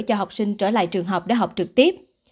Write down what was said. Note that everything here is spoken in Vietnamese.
cho học sinh trở lại trường học để học trực tiếp